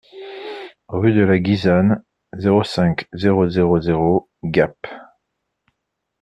Rue de la Guisane, zéro cinq, zéro zéro zéro Gap